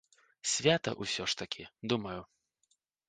Свята ўсё-такі ж, думаю.